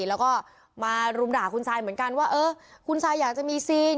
แล้วก็มารุมด่าคุณซายเหมือนกันว่าเออคุณซายอยากจะมีซีน